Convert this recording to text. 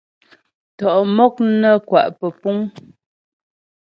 Tɔ'ɔ mɔk nə́ kwa' pə́púŋ.